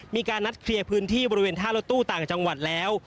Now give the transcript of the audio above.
มีการนัดเคลียร์พื้นที่บริเวณท่ารถตู้ต่างจังหวัดแล้ว